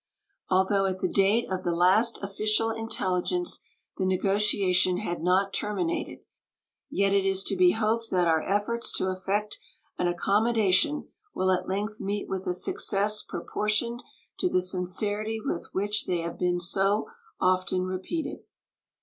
Although at the date of the last official intelligence the negotiation had not terminated, yet it is to be hoped that our efforts to effect an accommodation will at length meet with a success proportioned to the sincerity with which they have been so often repeated.